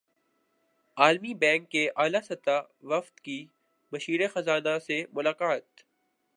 عالمی بینک کے اعلی سطحی وفد کی مشیر خزانہ سے ملاقات